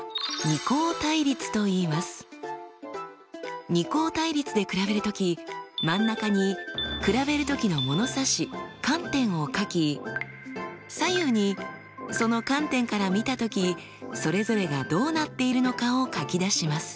二項対立で比べる時真ん中に比べる時のものさし観点を書き左右にその観点から見た時それぞれがどうなっているのかを書き出します。